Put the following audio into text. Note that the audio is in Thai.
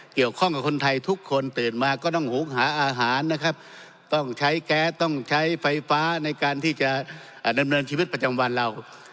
เกี่ยวข้องกับคนไทยทุกคนตื่นมาก็ต้องหุงหาอาหารนะครับต้องใช้แก๊สต้องใช้ไฟฟ้าในการที่จะดำเนินชีวิตประจำวันเรา